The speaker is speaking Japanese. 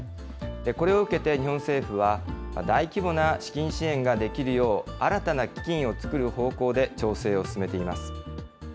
これを受けて日本政府は、大規模な資金支援ができるよう、新たな基金を作る方向で調整を進めています。